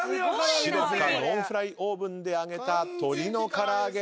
ｓｉｒｏｃａノンフライオーブンで揚げた鶏の唐揚げ。